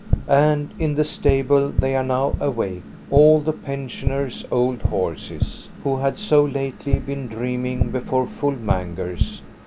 And in the stable they are now awake, all the pen sioners* old horses, who had so lately been dreaming before full mangers.